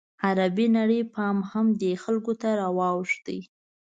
عربي نړۍ پام هم دې خلکو ته راواوښت.